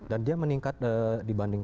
dan dia meningkat dibanding